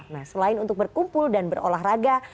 nah selain untuk berkumpul dan berolahraga